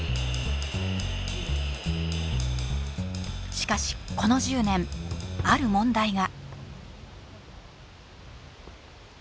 しかしこの１０年ある問題が。